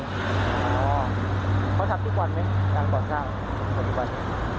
อ๋อเขาทำดีกว่าไหมการก่อสร้าง